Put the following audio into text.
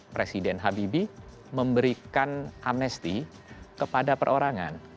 presiden habibie memberikan amnesti kepada perorangan